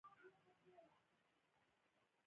ازادي راډیو د سوداګري د تحول لړۍ تعقیب کړې.